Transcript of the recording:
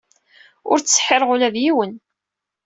Ur ttseḥḥireɣ ula d yiwen.